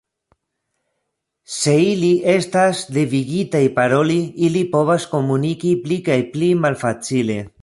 Se ili estas devigitaj paroli, ili povas komuniki pli kaj pli malfacile.